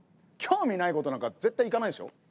興味ないことなんか絶対いかないでしょ？